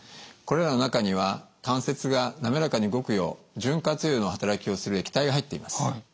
これらの中には関節が滑らかに動くよう潤滑油の働きをする液体が入っています。